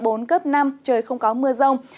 trời không có mưa rông